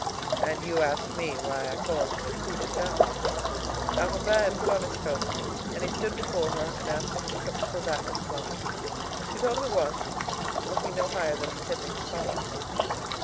"And you ask me why I call it a coup d'état?" Arobin had put on his coat, and he stood before her and asked if his cravat was plumb. She told him it was, looking no higher than the tip of his collar.